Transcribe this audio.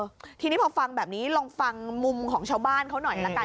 ทีนี้พอฟังแบบนี้ลองฟังมุมของชาวบ้านเขาหน่อยละกัน